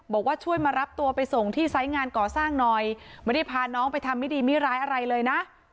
บอกว่าช่วยมารับตัวไปส่งที่ไซส์งานก่อสร้างหน่อยไม่ได้พาน้องไปทำไม่ดีไม่ร้ายอะไรเลยนะ